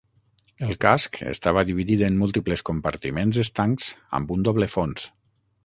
El casc estava dividit en múltiples compartiments estancs, amb un doble fons.